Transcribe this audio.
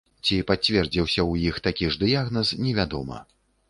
Ці пацвердзіўся ў іх такі ж дыягназ, невядома.